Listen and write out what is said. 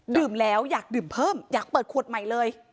แล้วอยากดื่มเพิ่มอยากเปิดขวดใหม่เลย